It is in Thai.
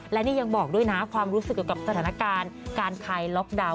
และนี่ยังบอกด้วยนะความรู้สึกเกี่ยวกับสถานการณ์การคลายล็อกดาวน